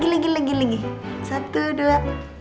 lagi lagi satu dua